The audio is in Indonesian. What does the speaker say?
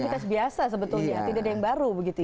jadi aktivitas biasa sebetulnya tidak ada yang baru begitu ya